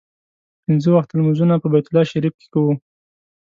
پنځه وخته لمونځونه په بیت الله شریف کې کوو.